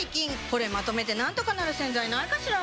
これまとめてなんとかなる洗剤ないかしら？